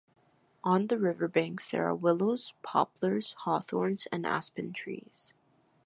On the riverbanks, there are willows, poplars, hawthorns and aspen trees.